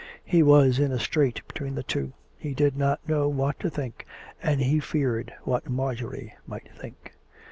He was in a strait between the two. He did not know what to think, and he feared what Marjorie might think.